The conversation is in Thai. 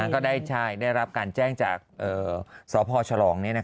ก็ได้ใช่ได้รับการแจ้งจากสพฉลองนี้นะคะ